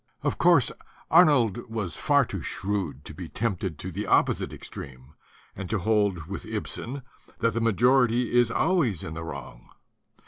Of course, Arnold was far too shrewd to be tempted to the opposite extreme and to hold with Ibsen that the majority is always in the wrong.